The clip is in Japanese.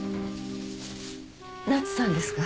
奈津さんですか？